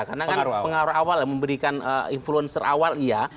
karena kan pengaruh awal ya memberikan influencer awal iya